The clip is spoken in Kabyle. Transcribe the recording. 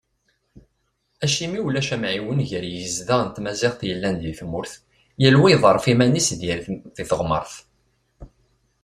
Acimi ulac amɛiwen gar yigezda n tmaziɣt yellan di tmurt, yal wa iḍerref iman-is di teɣmart?